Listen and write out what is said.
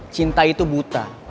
cinta itu buta